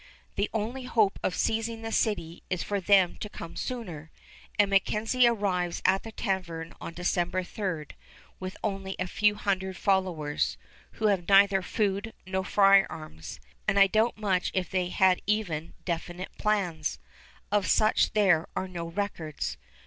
The only hope of seizing the city is for them to come sooner; and MacKenzie arrives at the tavern on December 3, with only a few hundred followers, who have neither food nor firearms; and I doubt much if they had even definite plans; of such there are no records.